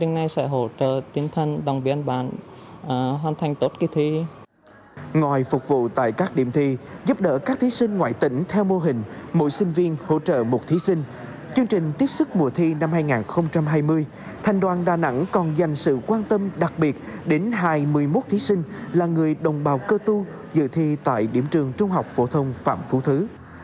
trong chương trình tiếp xúc mùa thi năm hai nghìn hai mươi thành đoàn đà nẵng còn dành sự quan tâm đặc biệt đến hai mươi một thí sinh là người đồng bào cơ tu dự thi tại điểm trường trung học phổ thông phạm phú thứ